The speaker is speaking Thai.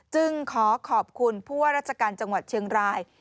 จึงขอขอบคุณผู้ว่าราชการจังหวัดเชียงราย